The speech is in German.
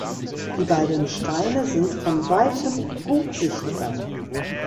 Die beiden Steine sind von weitem gut sichtbar.